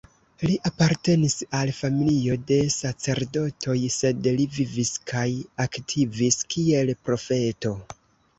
Li apartenis al familio de sacerdotoj; sed li vivis kaj aktivis kiel profeto.